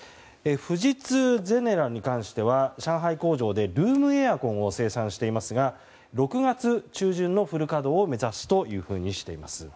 富士通ゼネラルに関しては上海工場で、ルームエアコンを生産していますが６月中旬のフル稼働を目指すというふうにしています。